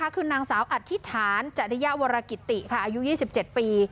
คือนางสาวอธิษฐานจริยวรกิติอายุ๒๗ปี